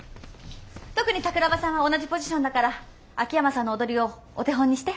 特に桜庭さんは同じポジションだから秋山さんの踊りをお手本にして。